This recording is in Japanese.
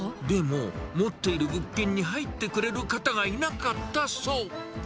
でも、持っている物件に入ってくれる方がいなかったそう。